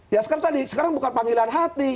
ya sekarang tadi sekarang bukan panggilan hati